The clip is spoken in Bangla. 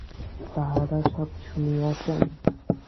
তাঁহারা সব শুনিয়াছেন?